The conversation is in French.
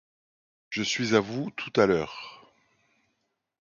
Je suis à vous tout à l'heure.